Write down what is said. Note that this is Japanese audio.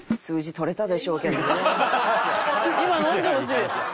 今飲んでほしい。